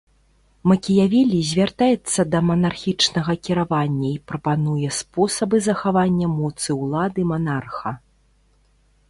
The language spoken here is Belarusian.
Макіявелі звяртаецца да манархічнага кіравання і прапануе спосабы захавання моцы ўлады манарха.